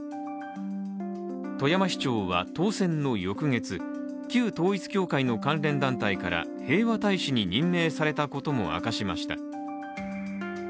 富山市長は当選の翌月旧統一教会の関連団体から平和大使に任命されたことも明かしました。